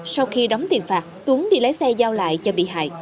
sau khi đóng tiền phạt tuấn đi lấy xe giao lại cho bị hại